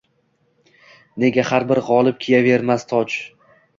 Nega har bir g‘olib kiyavermas toj